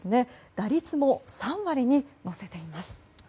打率も３割に乗せています。